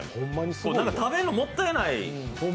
なんか食べるのもったいない。